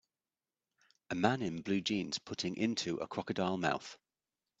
A man in blue jeans putting into a crocodile mouth.